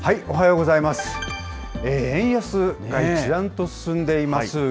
おはようございます。